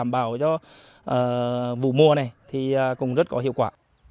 bảo cho vụ mùa này thì cũng rất có hiệu quả